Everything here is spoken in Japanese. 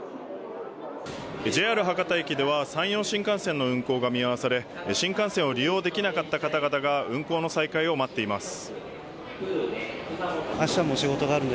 ＪＲ博多駅では山陽新幹線の運行が見合わされ新幹線を利用できなかった方々が運行の再開を待っています。